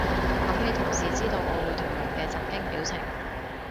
諗起同事知道我會屠龍嘅震驚表情